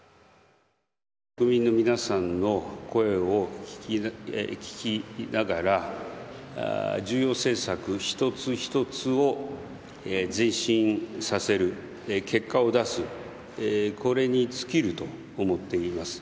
国民の皆さんの声を聞きながら、重要政策一つ一つを前進させる、結果を出す、これに尽きると思っています。